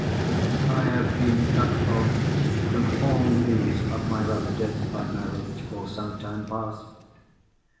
I have been cut off from all news of my relatives by marriage for some time past.